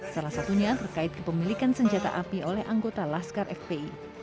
salah satunya terkait kepemilikan senjata api oleh anggota laskar fpi